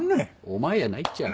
お前やないっちゃ。